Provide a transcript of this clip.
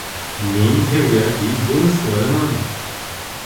Мин һеҙгә бик бурыслымын.